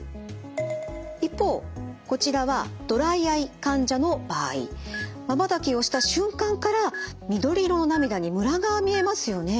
一方こちらはまばたきをした瞬間から緑色の涙にムラが見えますよね。